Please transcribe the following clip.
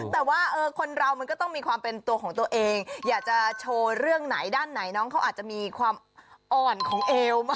แต่ว่าคนเรามันก็ต้องมีความเป็นตัวของตัวเองอยากจะโชว์เรื่องไหนด้านไหนน้องเขาอาจจะมีความอ่อนของเอวมาก